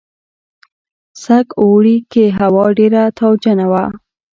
سږ اوړي کې هوا ډېره تاوجنه وه.